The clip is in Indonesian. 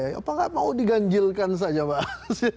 apa nggak mau diganjilkan saja pak